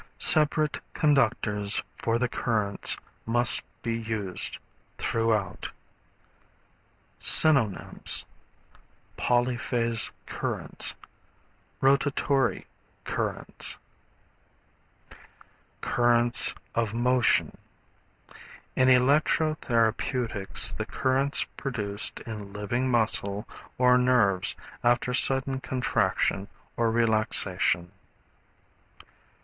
Separate conductors for the currents must be used throughout. Synonyms Polyphase Currents Rotatory Currents. 167 STANDARD ELECTRICAL DICTIONARY. Currents of Motion. In electro therapeutics, the currents produced in living muscle or nerves after sudden contraction or relaxation.